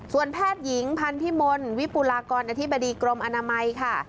แพทย์หญิงพันธิมลวิปุลากรอธิบดีกรมอนามัยค่ะ